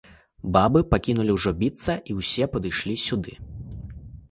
Бабы пакінулі ўжо біцца і ўсе падышлі сюды.